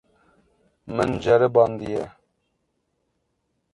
Min ceribandiye.